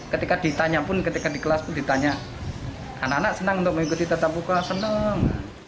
ketika ditanya pun ketika di kelas pun ditanya anak anak senang untuk mengikuti tatap muka senang